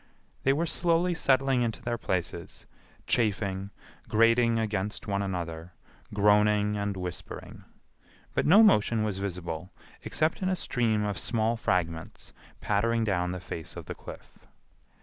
They were slowly settling into their places, chafing, grating against one another, groaning, and whispering; but no motion was visible except in a stream of small fragments pattering down the face of the cliff.